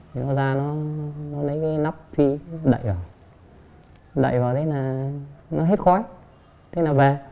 thế nó ra nó lấy cái nắp thi nó đậy vào đậy vào thế là nó hết khói thế là về